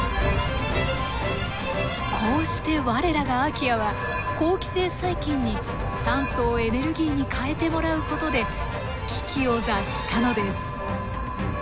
こうして我らがアーキアは好気性細菌に酸素をエネルギーに変えてもらうことで危機を脱したのです。